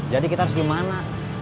jadi kita harus gimana